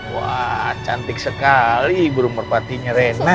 wah cantik sekali burung merpatinya rena